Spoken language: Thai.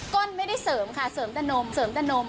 ้นไม่ได้เสริมค่ะเสริมแต่นมเสริมแต่นม